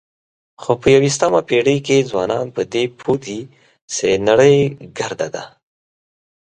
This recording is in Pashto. خو په یوویشتمه پېړۍ کې ځوانان په دې پوه دي چې نړۍ ګرده ده.